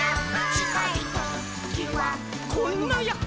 「ちかいときはこんなヤッホ」